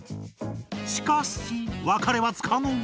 しかし別れはつかの間。